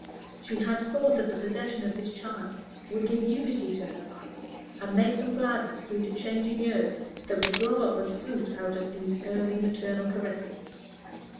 She had thought that the possession of this child would give unity to her life, and make some gladness through the changing years that would grow as fruit out of these early maternal caresses.